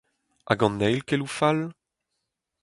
Hag an eil keloù fall?